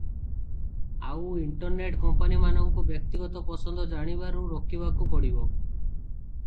ଆଉ ଇଣ୍ଟରନେଟ କମ୍ପାନିମାନଙ୍କୁ ବ୍ୟକ୍ତିଗତ ପସନ୍ଦ ଜାଣିବାରୁ ରୋକିବାକୁ ପଡ଼ିବ ।